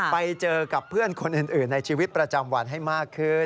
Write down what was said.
ไปเจอกับเพื่อนคนอื่นในชีวิตประจำวันให้มากขึ้น